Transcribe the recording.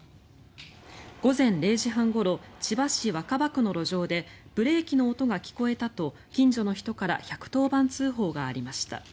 午前０時半ごろ千葉市若葉区の路上でブレーキの音が聞こえたと近所の人から１１０番通報がありました。